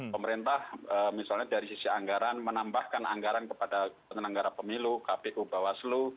pemerintah misalnya dari sisi anggaran menambahkan anggaran kepada penyelenggara pemilu kpu bawaslu